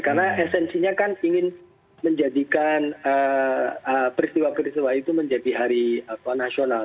karena esensinya kan ingin menjadikan peristiwa peristiwa itu menjadi hari nasional